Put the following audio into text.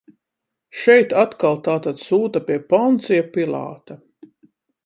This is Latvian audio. Šeit atkal tātad sūta pie Poncija Pilāta.